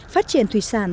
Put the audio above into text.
phát triển thủy sản